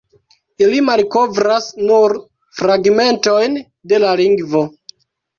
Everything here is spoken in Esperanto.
Ili malkovras nur fragmentojn de la lingvo.